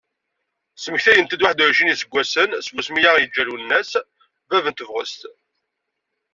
Smektayent-d waḥed u εecrin n yiseggasen segmi i aɣ-yeǧǧa Lwennas, bab n tebɣest.